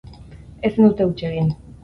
Ezin dute huts egin.